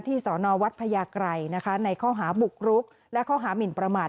สอนอวัดพญาไกรนะคะในข้อหาบุกรุกและข้อหามินประมาท